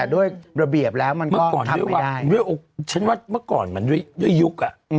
ด้วยระเบียบแล้วมันก็ทำไม่ได้เมื่อก่อนด้วยว่าเมื่อก่อนเหมือนด้วยยุคอะ